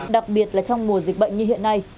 đặc biệt là trong mùa dịch bệnh như hiện nay